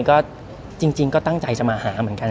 ก็จริงก็ตั้งใจจะมาหาเหมือนกัน